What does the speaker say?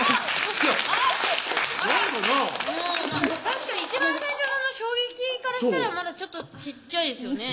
確かに一番最初のあの衝撃からしたらまだちょっと小っちゃいですよね